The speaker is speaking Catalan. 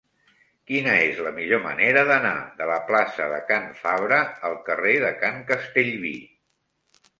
Quina és la millor manera d'anar de la plaça de Can Fabra al carrer de Can Castellví?